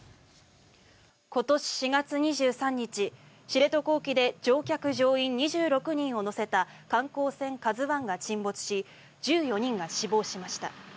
今年４月２３日、知床沖で乗客・乗員２６人を乗せた観光船「ＫＡＺＵ１」が沈没し１４人が死亡しました。